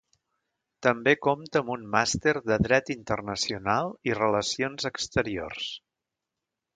També compta amb un màster en Dret Internacional i Relacions Exteriors.